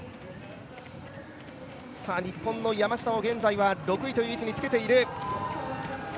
日本の山下も現在は６位という位置につけている。